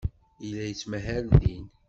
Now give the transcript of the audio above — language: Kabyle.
Yella yettmahal din.